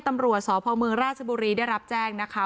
ตำรวจสพเมืองราชบุรีได้รับแจ้งนะคะ